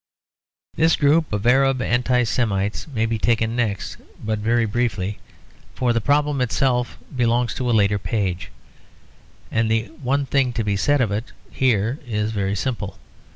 This group of Arab Anti Semites may be taken next, but very briefly; for the problem itself belongs to a later page; and the one thing to be said of it here is very simple.